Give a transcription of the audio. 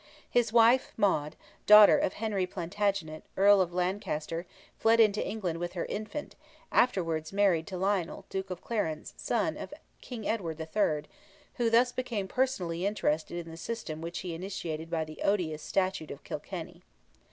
His wife, Maud, daughter of Henry Plantagenet, Earl of Lancaster, fled into England with her infant, afterwards married to Lionel, Duke of Clarence, son of King Edward III., who thus became personally interested in the system which he initiated by the odious Statute of Kilkenny.